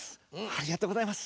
ありがとうございます。